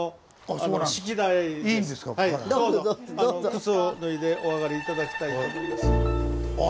靴を脱いでお上がり頂きたいと思います。